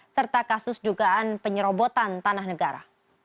serta kasus dugaan penyerobotan tanah negara